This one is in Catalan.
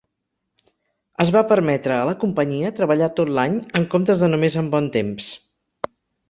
Es va permetre a la companyia treballar tot l"any, en comptes de només amb bon temps.